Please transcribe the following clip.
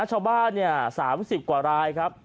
ชาวบ้าน๓๐กว่ารายครับ